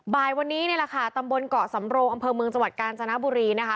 บ่ายวันนี้นี่แหละค่ะตำบลเกาะสำโรงอำเภอเมืองจังหวัดกาญจนบุรีนะคะ